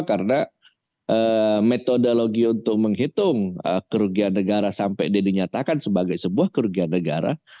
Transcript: karena metodologi untuk menghitung kerugian negara sampai dinyatakan sebagai sebuah kerugian negara